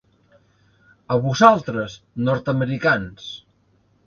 A vosaltres, nord-americans.